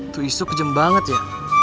tuh isu kejem banget ya